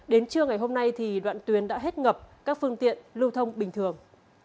đến trưa ngày hôm nay thì đoạn tuyến đã hết ngập các phương tiện lưu thông bình thường